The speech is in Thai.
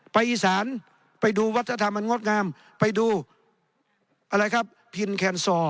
อีสานไปดูวัฒนธรรมอันงดงามไปดูอะไรครับพินแคนซอร์